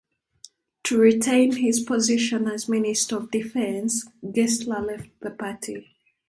To retain his position as Minister of Defence, Gessler left the party.